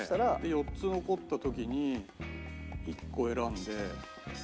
４つ残った時に１個選んでやるか。